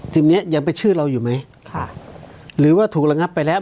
เนี้ยยังเป็นชื่อเราอยู่ไหมค่ะหรือว่าถูกระงับไปแล้ว